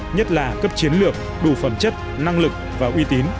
nhất là cấp chiến lược đủ phẩm chất năng lực và uy tín